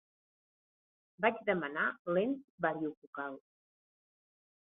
Vaig demanar lents variofocals.